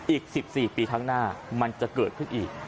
อีก๑๔ปีข้างหน้ามันจะเกิดขึ้นอีก